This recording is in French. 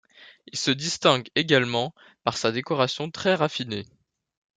Il se distingue également par sa décoration très raffinée.